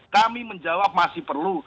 kami menjawab masih perlu